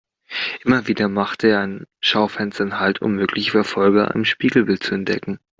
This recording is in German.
Immer wieder macht er an Schaufenstern halt, um mögliche Verfolger im Spiegelbild zu entdecken.